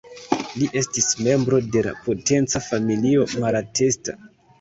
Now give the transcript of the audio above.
Li estis membro de la potenca familio Malatesta.